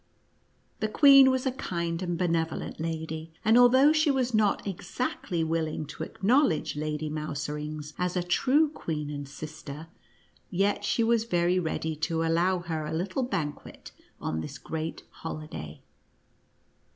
The queen was a kind and benevolent lady, and although she was not exactly willing to acknowledge Lady Mouserings as a true queen and sister, yet she was very ready to allow her a little banquet on this great holiday.